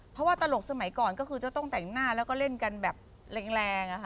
เพราะว่าตลกสมัยก่อนก็คือจะต้องแต่งหน้าแล้วก็เล่นกันแบบแรง